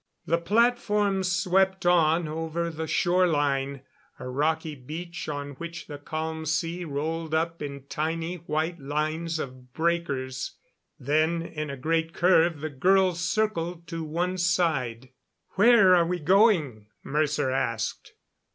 The platform swept on over the shore line, a rocky beach on which the calm sea rolled up in tiny white lines of breakers. Then in a great curve the girls circled to one side. "Where are we going?" Mercer asked.